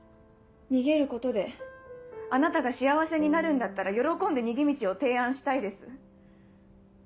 逃げることであなたが幸せになるんだったら喜んで逃げ道を提案したいです。